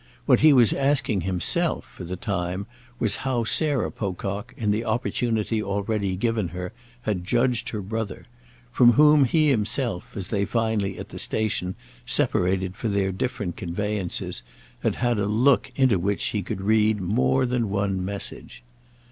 What he was asking himself for the time was how Sarah Pocock, in the opportunity already given her, had judged her brother—from whom he himself, as they finally, at the station, separated for their different conveyances, had had a look into which he could read more than one message.